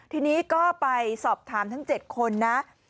ทีนี้ก็ไปสอบถามทั้ง๗คนนะ